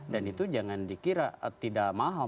dan itu jangan dikira tidak mahal